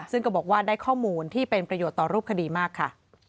ซึ่งก็บอกว่าได้ข้อมูลที่เป็นประโยชน์ต่อรูปคดีมากค่ะ